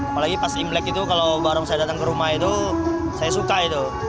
apalagi pas imlek itu kalau barong saya datang ke rumah itu saya suka itu